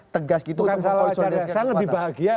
tegas gitu bukan salah wajar saya lebih bahagia